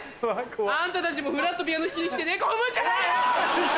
あんたたちもフラっとピアノ弾きに来て猫踏むんじゃないよ！